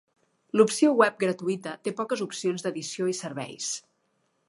L'opció web gratuïta té poques opcions d'edició i serveis.